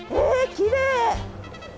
きれい！